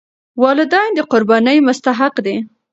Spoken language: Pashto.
والدین د قربانۍ مستحق دي.